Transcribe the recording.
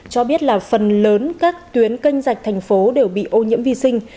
cho biết là phần lớn các tuyến kênh dạch thành phố đều bị ô nhiễm vi sinh